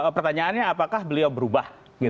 pertanyaannya apakah beliau berubah